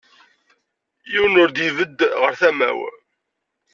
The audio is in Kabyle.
Yiwen ur d-ibedd ɣer tama-w.